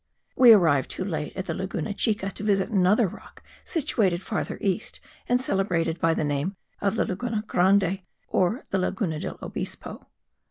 We arrived too late at the Laguna Chica to visit another rock situated farther east and celebrated by the name of the Laguna Grande, or the Laguna del Obispo.